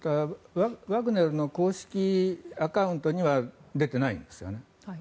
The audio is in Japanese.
ワグネルの公式アカウントには出ていないんですね。